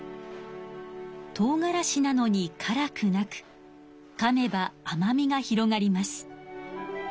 とうがらしなのにからくなくかめばあまみが広がります。